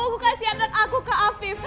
aku kasih anak aku ke afifa